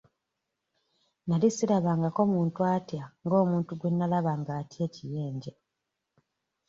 Nali sirabangako muntu atya ng'omuntu gwe nalaba ng'atya ekiyenje.